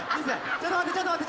ちょっと待ってちょっと待って。